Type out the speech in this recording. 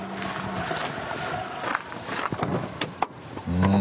うん。